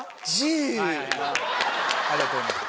ありがとうございます。